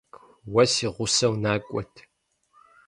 Уэ си гъусэу накӀуэт.